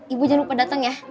ibu jangan lupa datang ya